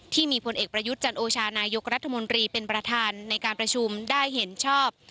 พลเอกประยุทธ์จันโอชานายกรัฐมนตรีเป็นประธานในการประชุมได้เห็นชอบ